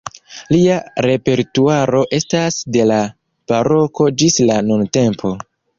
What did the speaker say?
Lia repertuaro estas de la baroko ĝis la nuntempo.